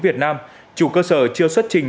việt nam chủ cơ sở chưa xuất trình